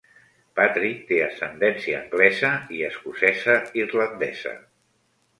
Patrick té ascendència anglesa i escocesa-irlandesa.